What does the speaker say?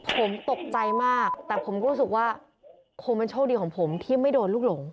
ผมตกใจมากแต่ผมก็รู้สึกว่าคงเป็นโชคดีของผมที่ไม่โดนลูกหลง